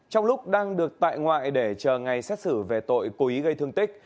trong lúc đang được tại ngoại để chờ ngày xét xử về tội cố ý gây thương tích